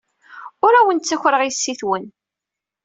Ur awen-ttakreɣ yessi-twen.